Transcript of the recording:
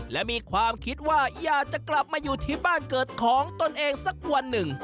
และมีความคิดว่าอยากจะกลับมาอยู่ที่บ้านเกิดของตนเองสักวันหนึ่ง